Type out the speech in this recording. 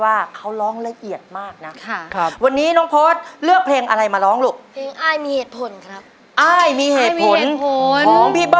อ้ายมีเหตุผลครับ